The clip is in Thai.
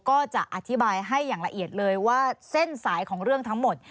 ก็จะอธิบายให้อย่างละเอียดเลยว่าเส้นสายของเรื่องทั้งหมด